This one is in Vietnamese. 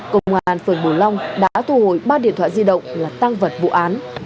công an phường bửu long đã thu hồi ba điện thoại di động là tang vật vụ án